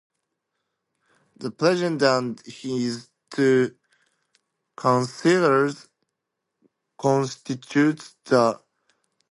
The president and his two counselors constitute the deacons quorum presidency.